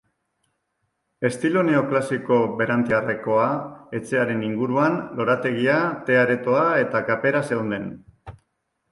Estilo neoklasiko berantiarrekoa, etxearen inguruan, lorategia, te-aretoa eta kapera zeuden.